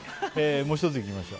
もう１つ行きましょう。